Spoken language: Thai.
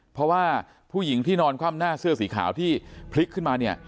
เพราะว่าผู้หญิงที่นอนคว่ำหน้าเสื้อสีขาวที่พลิกขึ้นมาเนี่ย